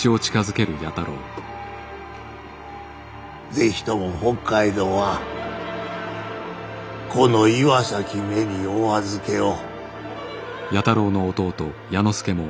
是非とも北海道はこの岩崎めにお預けを。